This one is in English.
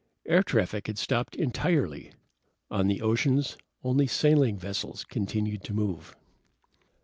Air traffic had stopped entirely. On the oceans, only sailing vessels continued to move.